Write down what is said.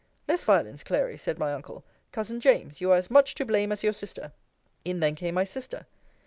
Less violence, Clary, said my uncle. Cousin James, you are as much to blame as your sister. In then came my sister.